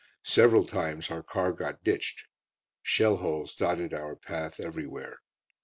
Several times our car got ditched. Shell holes dotted our path everywhere.